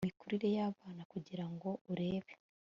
imikurire y'abana kugira ngo urebe